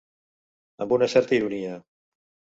Amb una certa ironia.